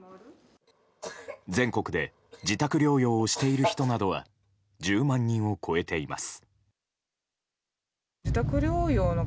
全国で自宅療養をしている人などは１０万人を超えています。